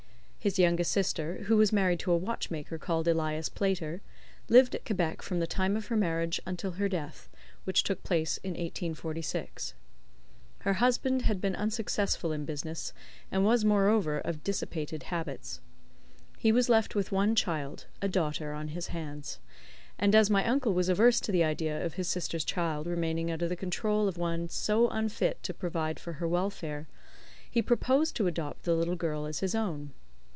His younger sister, who was married to a watchmaker called Elias Playter, lived at Quebec from the time of her marriage until her death, which took place in 1846. Her husband had been unsuccessful in business, and was moreover of dissipated habits. He was left with one child a daughter on his hands; and as my uncle was averse to the idea of his sister's child remaining under the control of one so unfit to provide for her welfare, he proposed to adopt the little girl as his own.